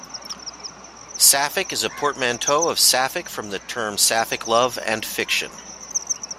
"Saffic" is a portmanteau of Sapphic from the term Sapphic love and fiction.